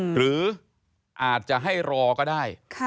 หรืออาจจะให้รอก็ได้